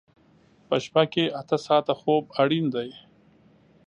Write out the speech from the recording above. په شپه کې اته ساعته خوب اړین دی.